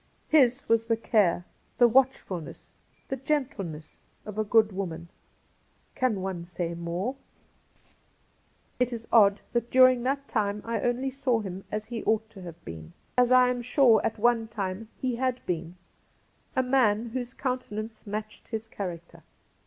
His was the care, the watchfulness, the gentleness, of a good woman. Can one say more ? It is odd that during that time I only saw him as he ought to have been — as I am sure at one 136 Cassidy time he had been — a man whose countenance matched his character.